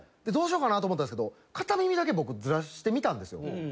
どうしようかなと思ったんですけど片耳だけ僕ずらしてみたんですよ。